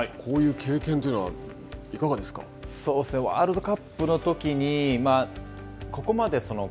こういう経験というのはワールドカップのときにまあ